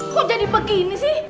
kok jadi begini sih